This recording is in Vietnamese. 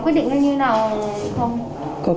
có quyết định của giám đốc